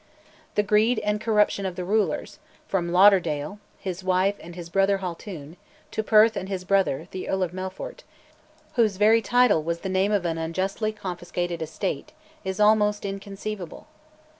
The greed and corruption of the rulers, from Lauderdale, his wife, and his brother Haltoun, to Perth and his brother, the Earl of Melfort, whose very title was the name of an unjustly confiscated estate, is almost inconceivable.